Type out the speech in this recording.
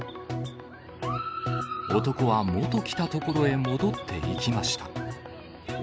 男はもと来た所へ戻っていきました。